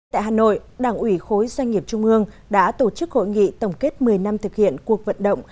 tại hà nội đảng ủy khối doanh nghiệp trung ương đã tổ chức hội nghị tổng kết một mươi năm thực hiện cuộc vận động